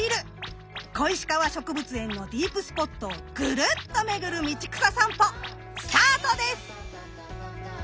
小石川植物園のディープスポットをぐるっとめぐる道草さんぽスタートです！